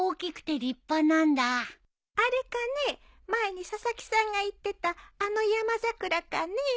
前に佐々木さんが言ってたあの山桜かねえ。